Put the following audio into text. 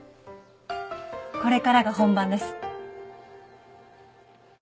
これからが本番です。